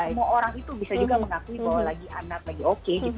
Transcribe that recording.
semua orang itu bisa juga mengakui bahwa lagi i'm not lagi okay gitu